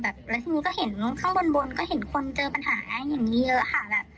แล้วทีนี้ก็เห็นข้างบนบนก็เห็นคนเจอปัญหาอย่างนี้เยอะค่ะแบบ